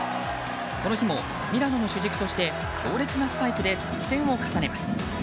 この日もミラノの主軸として強烈なスパイクで得点を重ねます。